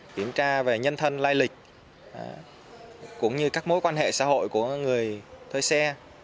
kiểm tra về nhân thân lai lịch cũng như các mối quan hệ xã hội của người thuê xe